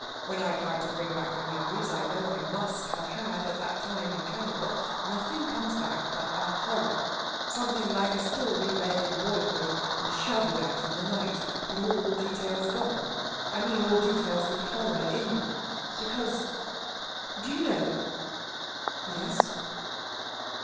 When I try to bring back the memories I know I must have had at that time in Canada, nothing comes back but a horror something like a story read in boyhood and shuddered at in the night but all details gone. I mean all details with horror in them. Because, do you know?..." "Yes